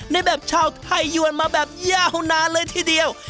ในแบบชาวไทยยวนมาแบบยาวนานเลยทีเดียว